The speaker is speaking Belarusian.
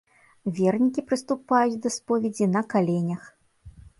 Вернікі прыступаюць да споведзі на каленях.